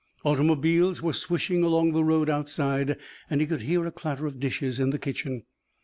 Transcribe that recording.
Automobiles were swishing along the road outside and he could hear a clatter of dishes in the kitchen.